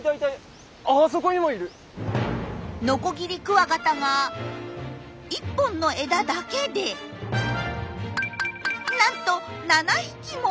ノコギリクワガタが１本の枝だけでなんと７匹も！